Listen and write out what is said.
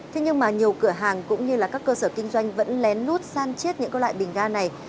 thế nhưng mà nhiều cửa hàng cũng như là các cơ sở kinh doanh vẫn lén lút san chiết những loại bình ga này